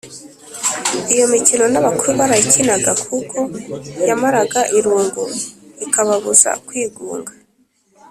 iyo mikino n’abakuru barayikinaga kuko yabamaraga irungu ikababuza kwigunga.